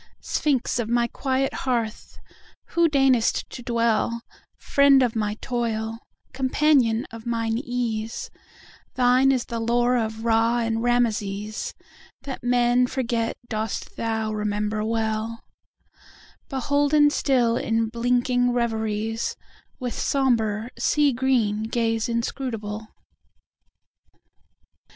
Sphinx of my quiet hearth! who deign'st to dwellFriend of my toil, companion of mine ease, Thine is the lore of Ra and Rameses; That men forget dost thou remember well, Beholden still in blinking reveriesWith sombre, sea green gaze inscrutable.